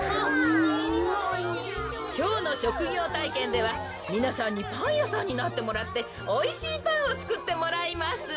きょうのしょくぎょうたいけんではみなさんにパンやさんになってもらっておいしいパンをつくってもらいます。